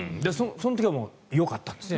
その時はよかったんですね。